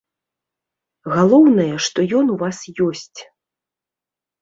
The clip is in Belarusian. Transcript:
Галоўнае, што ён у вас ёсць.